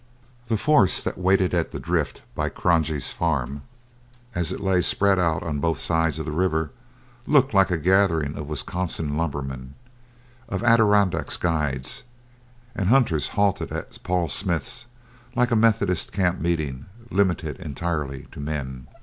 The force that waited at the drift by Cronje's farm as it lay spread out on both sides of the river looked like a gathering of Wisconsin lumbermen, of Adirondack guides and hunters halted at Paul Smith's, like a Methodist camp meeting limited entirely to men.